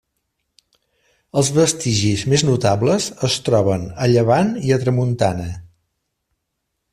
Els vestigis més notables es troben a llevant i a tramuntana.